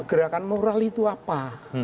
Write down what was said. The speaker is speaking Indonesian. gerakan moral itu apa